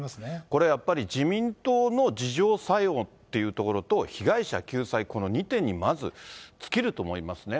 これやっぱり、自民党の自浄作用っていうところと、被害者救済、この２点にまず尽きると思いますね。